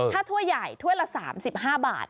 ถ้าถ้วยใหญ่ถ้วยละ๓๕บาท